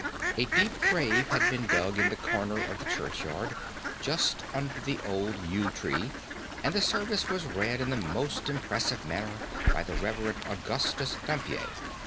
A deep grave had been dug in the corner of the churchyard, just under the old yew tree, and the service was read in the most impressive manner by the Rev. Augustus Dampier.